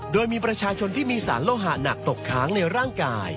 โดยมีประชาชนที่มีสารโลหะหนักตกค้างในร่างกาย